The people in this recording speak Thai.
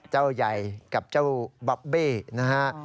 ใหญ่กับเจ้าบ๊อบบี้นะฮะ